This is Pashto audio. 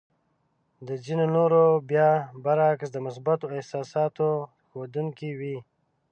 د ځينو نورو بيا برعکس د مثبتو احساساتو ښودونکې وې.